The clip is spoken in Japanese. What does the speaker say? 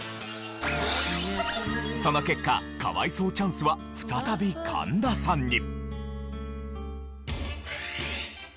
その結果可哀想チャンスは再び神田さんに。